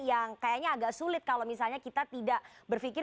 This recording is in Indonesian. yang kayaknya agak sulit kalau misalnya kita tidak berpikir